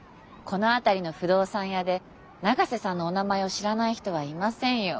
この辺りの不動産屋で永瀬さんのお名前を知らない人はいませんよ。